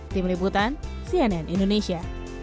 tim liputan cnn indonesia